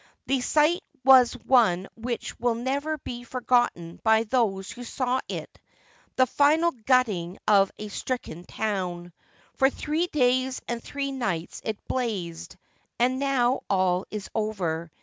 The sight was one which will never be forgotten by those who saw it — that final gutting of a stricken town. For three days and three nights it blazed, and now all is over.